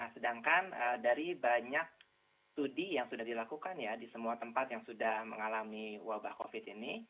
sedangkan dari banyak studi yang sudah dilakukan ya di semua tempat yang sudah mengalami wabah covid ini